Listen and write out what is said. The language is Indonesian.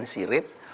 untuk tempat tidur